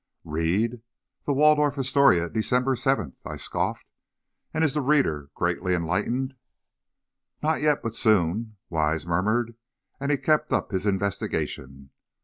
"Read, 'The Waldorf Astoria, December 7.'" I scoffed. "And is the reader greatly enlightened?" "Not yet, but soon," Wise murmured, as he kept up his investigation.